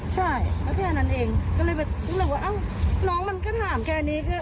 ใช่ก็แค่นั้นเองก็เลยรู้สึกว่าน้องมันก็ถามแค่นี้